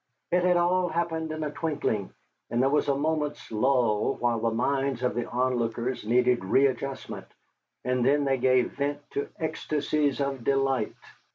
It had all happened in a twinkling, and there was a moment's lull while the minds of the onlookers needed readjustment, and then they gave vent to ecstasies of delight.